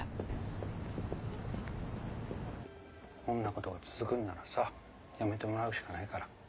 こんなことが続くんならさ辞めてもらうしかないから。